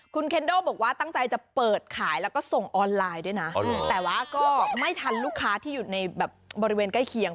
คุณเคนโดบอกว่าตั้งใจจะเปิดขายแล้วก็ส่งออนไลน์ด้วยนะแต่ว่าก็ไม่ทันลูกค้าที่อยู่ในแบบบริเวณใกล้เคียง